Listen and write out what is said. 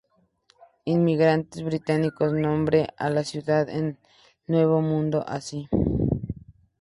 Inmigrantes británicos nombre a la ciudad en el nuevo mundo así.